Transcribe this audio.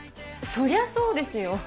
そりゃそうですよ。